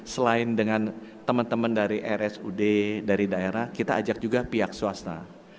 selain dengan teman teman dari rsud dari daerah kita ajak juga pihak swasta